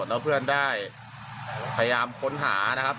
แล้วเพื่อนได้พยายามค้นหานะครับ